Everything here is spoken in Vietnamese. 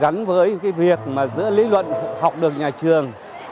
gắn với việc giữa lý luận học được nhà trường